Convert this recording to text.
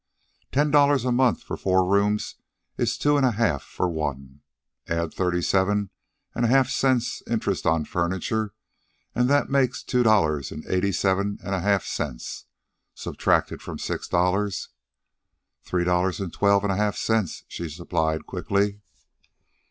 Ten dollars a month for four rooms is two an' a half for one. Add thirty seven an' a half cents interest on furniture, an' that makes two dollars an' eighty seven an' a half cents. Subtract from six dollars...." "Three dollars and twelve and a half cents," she supplied quickly.